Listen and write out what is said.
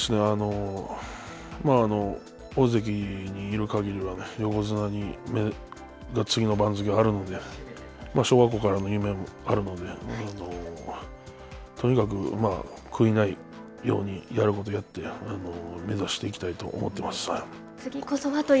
大関にいる限りは横綱が、次の番付があるので、小学校からの夢もあるのでとにかくまあ、悔いがないように、やることをやって目指していきたいと思ってます、はい。